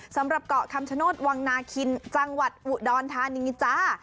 สำหรับเกาะคำชโนธวังนาคินจังหวัดอุดรธานีจ้า